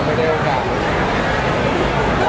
ไม่ได้เจอในคุณหรอก